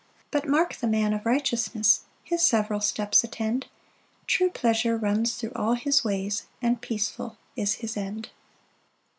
7 But mark the man of righteousness, His several steps attend; True pleasure runs thro' all his ways, And peaceful is his end.